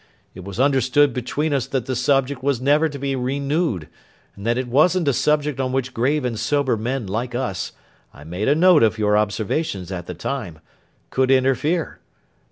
It was understood between us that the subject was never to be renewed, and that it wasn't a subject on which grave and sober men like us (I made a note of your observations at the time) could interfere.